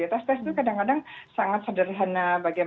tes tes itu kadang kadang sangat sederhana